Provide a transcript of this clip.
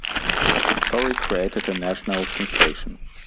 The story created a national sensation.